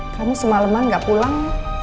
kamu semaleman gak pulang